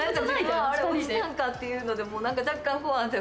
自分は「あれ落ちたんか」っていうので若干、不安定。